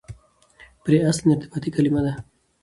پرې اصلاً ارتباطي کلیمه ده.